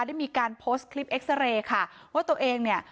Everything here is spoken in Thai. ได้มีการโพสต์คลิปเอ็กซาเรย์ค่ะว่าตัวเองเนี่ย